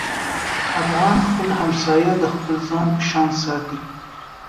افغان خپل همسایه د خپل ځان په شان ساتي.